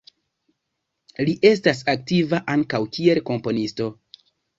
Li estas aktiva ankaŭ, kiel komponisto.